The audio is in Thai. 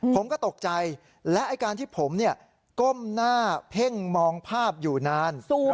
ผมก็ตกใจและไอ้การที่ผมก้มหน้าเพ่งมองภาพอยู่นาน